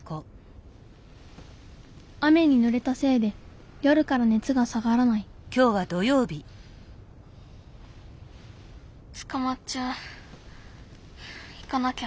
雨にぬれたせいで夜からねつが下がらないつかまっちゃう行かなきゃ。